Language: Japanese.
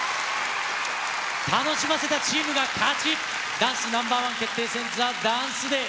ダンスＮｏ．１決定戦、ＴＨＥＤＡＮＣＥＤＡＹ。